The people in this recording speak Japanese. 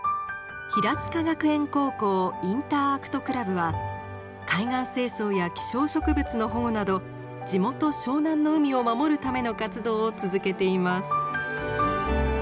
平塚学園高校インターアクトクラブは海岸清掃や希少植物の保護など地元湘南の海を守るための活動を続けています。